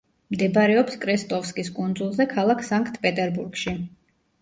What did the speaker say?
მდებარეობს კრესტოვსკის კუნძულზე ქალაქ სანქტ-პეტერბურგში.